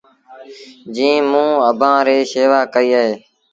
جيٚنٚ موٚنٚ اڀآنٚ ريٚ شيوآ ڪئيٚ اهي